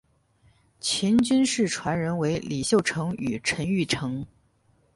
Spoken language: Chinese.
秦军事传人为李秀成与陈玉成。